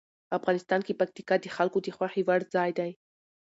افغانستان کې پکتیکا د خلکو د خوښې وړ ځای دی.